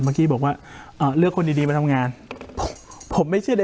เมื่อกี้บอกว่าอ่าเลือกคนดีดีมาทำงานผมไม่เชื่อใด